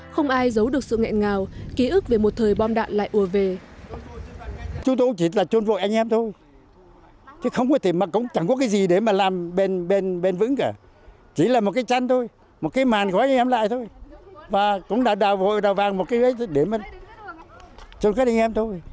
không ai giấu được sự nghẹn ngào ký ức về một thời bom đạn lại ủa về